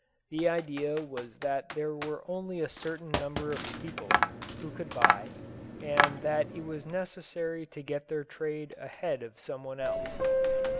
The idea was that there were only a certain number of people who could buy and that it was necessary to get their trade ahead of someone else.